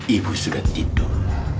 ibu sudah tidur